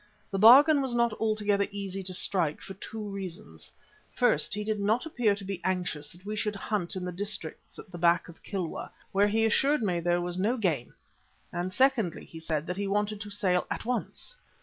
The bargain was not altogether easy to strike for two reasons. First, he did not appear to be anxious that we should hunt in the districts at the back of Kilwa, where he assured me there was no game, and secondly, he said that he wanted to sail at once.